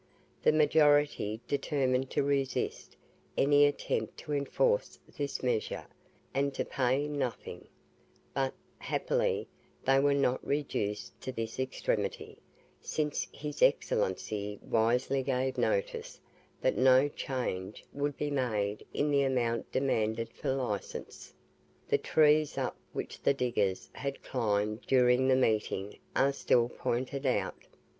The majority determined to resist any attempt to enforce this measure, and to pay NOTHING; but, happily, they were not reduced to this extremity, since his Excellency wisely gave notice that no change would be made in the amount demanded for licence." The trees up which the diggers had climbed during the meeting are still pointed out.